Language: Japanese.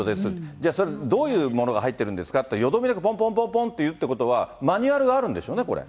じゃあ、それ、どういうものが入ってるんですかってよどみなく、ぽんぽんぽんぽんって言うってことは、マニュアルがあるんでしょうね、これ。